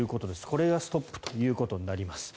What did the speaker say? これがストップということになります。